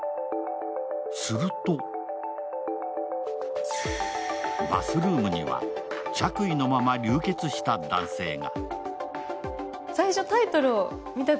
するとバスルームには、着衣のまま流血した男性が。